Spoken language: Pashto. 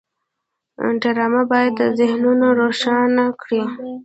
ډرامه باید ذهنونه روښانه کړي